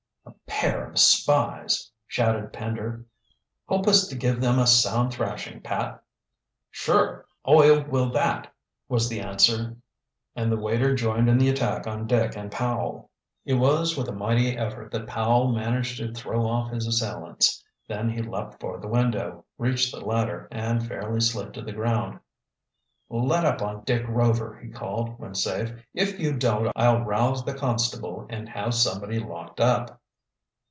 "A pair of spies!" shouted Pender. "Help us to give them a sound thrashing, Pat." "Sure, Oi will that!" was the answer, and the waiter joined in the attack on Dick and Powell. It was with a mighty effort that Powell managed to throw off his assailants. Then he leaped for the window, reached the ladder, and fairly slid to the ground. "Let up on Dick Rover!" he called, when safe. "If you don't, I'll rouse the constable and have somebody locked up."